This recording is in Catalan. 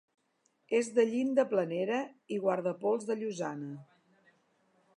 És de llinda planera i guardapols de llosana.